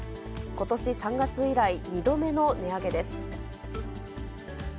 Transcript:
ことし３月以来、２度目の値上げです。